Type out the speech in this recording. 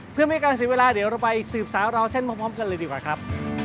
เพื่อไม่ให้การเสียเวลาเดี๋ยวเราไปสืบสาวราวเส้นพร้อมกันเลยดีกว่าครับ